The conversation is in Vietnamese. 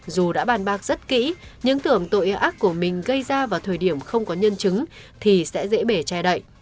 dù đã bàn bạc rất kỹ những tưởng tội ác của mình gây ra vào thời điểm không có nhân chứng thì sẽ dễ bể che đậy